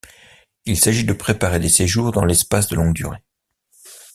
Il s'agit de préparer des séjours dans l'espace de longue durée.